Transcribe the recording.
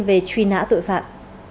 về truy nã tội phạm